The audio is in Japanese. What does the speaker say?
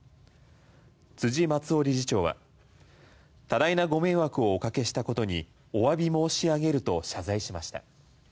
辻松雄理事長は多大なご迷惑をおかけしたことにおわび申し上げると謝罪しました。